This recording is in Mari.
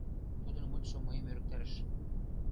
Тудын мутшо мыйым ӧрыктарыш.